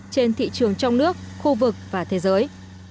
trên thị trường trong nước khu vực và thế giới